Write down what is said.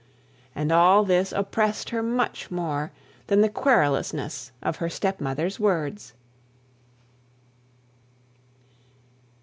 And all this oppressed her much more than the querulousness of her stepmother's words.